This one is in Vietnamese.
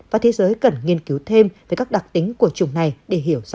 và thế giới cần nghiên cứu thêm về các đặc tính của chủng này để hiểu rõ về nó